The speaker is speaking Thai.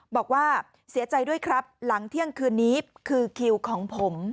บอกว่าเสียใจด้วยครับหลังเที่ยงคืนนี้คือคิวของผม